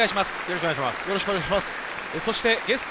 よろしくお願いします。